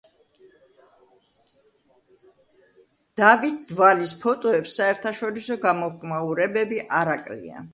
დავით დვალის ფოტოებს საერთაშორისო გამოხმაურებები არ აკლია.